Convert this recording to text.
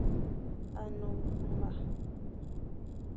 A ne nkunba.